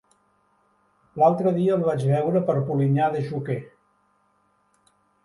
L'altre dia el vaig veure per Polinyà de Xúquer.